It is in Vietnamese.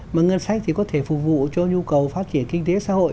mà ngân sách thì có thể phục vụ cho nhu cầu phát triển kinh tế xã hội